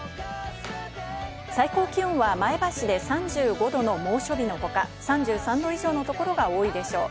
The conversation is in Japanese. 最高気温は前橋で３５度の猛暑日の他、３３度以上のところが多いでしょう。